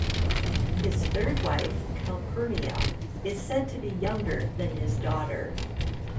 His third wife Calpurnia is said to be younger than his daughter.